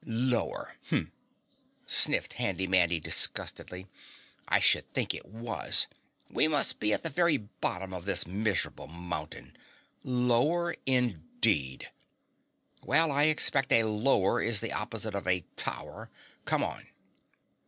"Lower!" sniffed Handy Mandy disgustedly. "I should think it was, we must be at the very bottom of this miserable mountain. Lower indeed! Well, I expect a lower is the opposite of a tower, come on!"